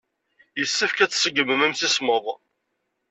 Yessefk ad tṣeggmem imsismeḍ.